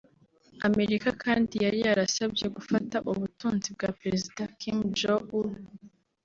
Amerika kandi yari yasabye gufata ubutunzi bwa Perezida Kim Jong-Un